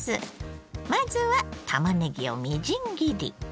まずはたまねぎをみじん切り。